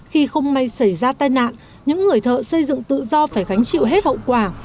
khi không may xảy ra tai nạn những người thợ xây dựng tự do phải gánh chịu hết hậu quả